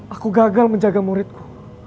aku gagal menjaga muridku